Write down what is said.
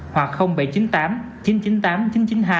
hoặc bảy trăm chín mươi tám chín trăm chín mươi tám chín trăm chín mươi hai